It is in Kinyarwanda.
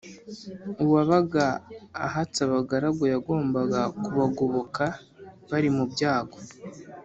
uwabaga ahatse abagaragu yagombaga kubagoboka bari mu byago.